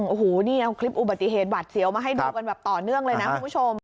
โอ้โหนี่เอาคลิปอุบัติเหตุหวัดเสียวมาให้ดูกันแบบต่อเนื่องเลยนะคุณผู้ชม